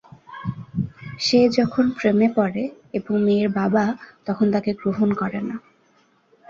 সে যখন প্রেমে পড়ে এবং মেয়ের বাবা তখন তাকে গ্রহণ করে না।